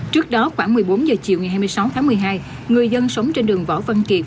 trước đó khoảng một mươi bốn h chiều ngày hai mươi sáu tháng một mươi hai người dân sống trên đường võ văn kiệt